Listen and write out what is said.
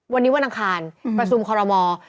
วันนี้วันอังคารประชุมคอรมอล์